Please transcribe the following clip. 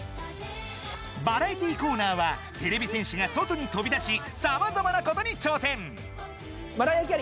バラエティーコーナーはてれび戦士が外に飛び出しさまざまなことに挑戦！